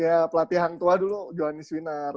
ya pelatih hangtuah dulu johanis winar